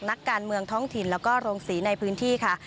นักการเมืองท้องถิ่นแล้วก็โรงศรีในพื้นที่ค่ะ